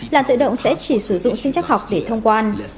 làn tự động sẽ chỉ sử dụng sinh chắc học để thông quan